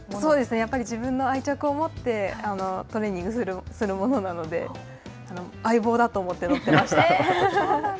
やっぱり自分の愛着を持ってトレーニングするものなので、相棒だと思って乗ってました。